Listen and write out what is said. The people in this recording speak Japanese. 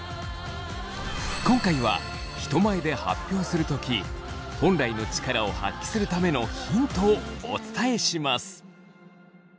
今回は人前で発表するとき本来の力を発揮するためのヒントをお伝えします。